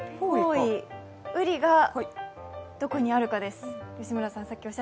ウリがどこにあるかです。